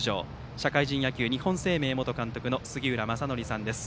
社会人野球、日本生命元監督の杉浦正則さんです。